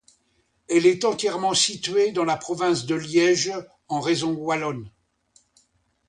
Elle est entièrement située dans la Province de Liège en région wallonne.